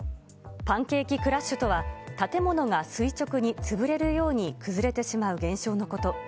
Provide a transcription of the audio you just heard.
パンケーキクラッシュとは、建物が垂直に潰れるように崩れてしまう現象のこと。